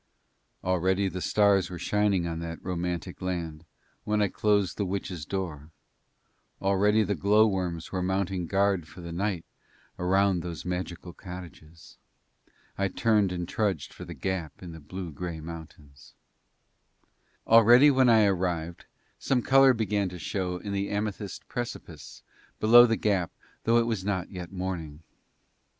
Already the stars were shining on that romantic land when I closed the witch's door; already the glow worms were mounting guard for the night around those magical cottages. I turned and trudged for the gap in the blue grey mountains. Already when I arrived some colour began to show in the amethyst precipice below the gap although it was not yet morning.